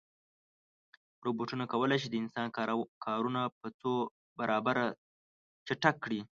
روبوټونه کولی شي د انسان کارونه په څو برابره چټک کړي.